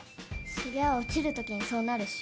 そりゃ落ちる時にそうなるっしょ。